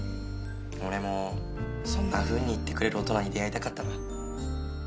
俺もそんなふうに言ってくれる大人に出会いたかったな。